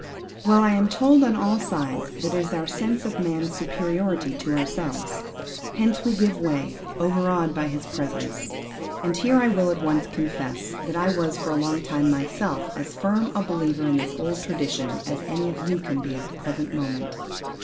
Well! I am told on all sides that it is our sense of man's superiority to ourselves. Hence we give way, overawed by his presence. And here I will at once confess, that I was for a long time myself as firm a believer in this old tradition as any of you can be at the present moment.